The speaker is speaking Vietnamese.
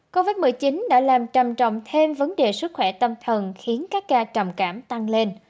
covid một mươi chín đã làm trầm trọng thêm vấn đề sức khỏe tâm thần khiến các ca trầm cảm tăng lên